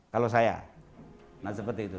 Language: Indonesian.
kalau saya nah seperti itu